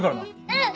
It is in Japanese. うん。